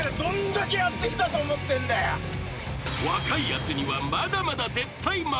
［若いやつにはまだまだ絶対負けたくない！］